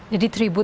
dari disc bolas